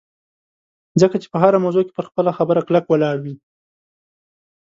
ځکه چې په هره موضوع کې پر خپله خبره کلک ولاړ وي